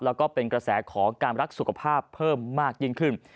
แล้วก็เป็นกระแสของการรักสุขภาพเพิ่มมากยิ่งขึ้น